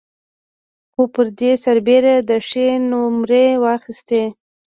خو پر دې سربېره ده ښې نومرې واخيستې.